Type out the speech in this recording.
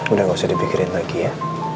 udah gak usah dipikirin lagi ya